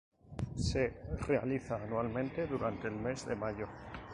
Se realiza anualmente durante el mes de mayo.